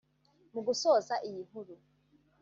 Mu gusoza iyi nkuru